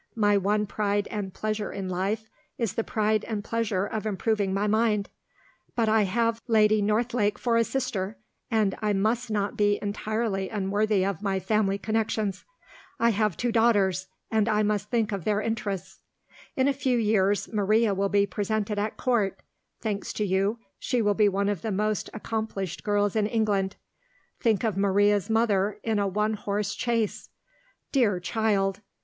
My one pride and pleasure in life is the pride and pleasure of improving my mind. But I have Lady Northlake for a sister; and I must not be entirely unworthy of my family connections. I have two daughters; and I must think of their interests. In a few years, Maria will be presented at Court. Thanks to you, she will be one of the most accomplished girls in England. Think of Maria's mother in a one horse chaise. Dear child!